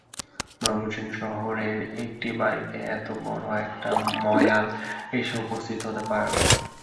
ময়মনসিংহ শহরের একটি বাড়িতে এত বড় একটি ময়াল এসে উপস্থিত হতে পারে না।